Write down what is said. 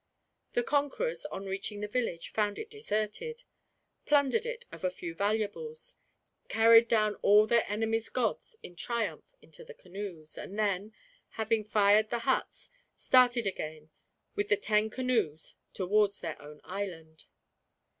The conquerors, on reaching the village, found it deserted; plundered it of a few valuables; carried down all their enemy's gods in triumph into the canoes; and then, having fired the huts, started again, with the ten canoes, towards their own island.